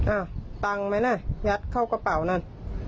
อ้าวตังค์ไหมนะยัดเข้ากระเบานั้น